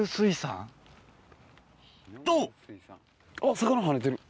魚跳ねてる。